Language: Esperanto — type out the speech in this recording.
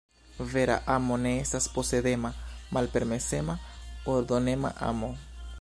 Vera amo ne estas posedema, malpermesema, ordonema amo.